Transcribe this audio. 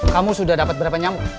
kamu sudah dapat berapa nyamuk